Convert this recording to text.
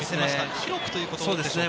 広くということですかね？